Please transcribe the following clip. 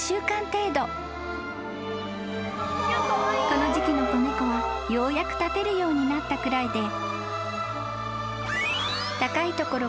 ［この時期の子猫はようやく立てるようになったくらいで］